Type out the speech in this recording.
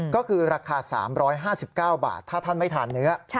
ก็คือราคา๓๕๙บาทถ้าท่านไม่ทานเนื้อ